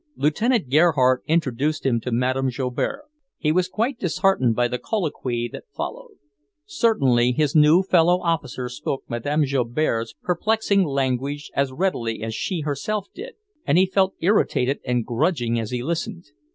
Lieutenant Gerhardt introduced him to Madame Joubert. He was quite disheartened by the colloquy that followed. Clearly his new fellow officer spoke Madame Joubert's perplexing language as readily as she herself did, and he felt irritated and grudging as he listened.